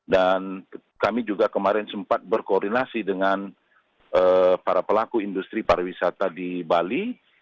dan kami juga kemarin sempat berkoordinasi dengan para pelaku industri pariwisata di bali